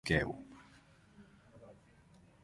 Sube a un nivel superior, y solo verás asesinato y saqueo.